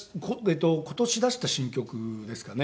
今年出した新曲ですかね。